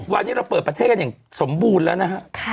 วันนี้เราเปิดประเทศกันอย่างสมบูรณ์แล้วนะฮะ